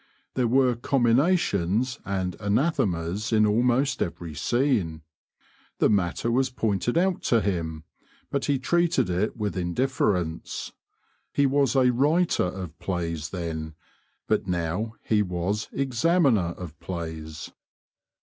There were comminations and anathemas in almost every scene. The matter was pointed out to him, but he treated it with indifference. He was a writer of plays then, but now he was Examiner of Plays."